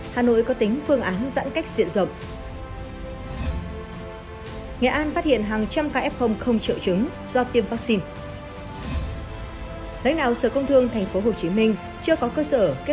hãy đăng ký kênh để ủng hộ kênh của chúng mình nhé